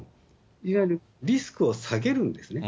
いわゆるリスクを下げるんですね。